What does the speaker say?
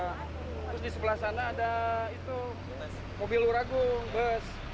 terus di sebelah sana ada itu mobil luragung bus